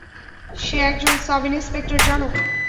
সে একজন সাব-ইন্সপেক্টর, জানো?